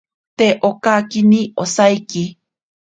Te okakini osaiki.